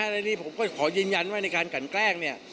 ในนี้ผมก็ขอยืนยันว่าในการกันแกล้งเนี่ย